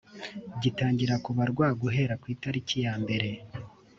gitangira kubarwa guhera ku itariki ya mbere